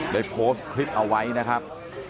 ได้โพสต์คลิปเอาไว้นะครับ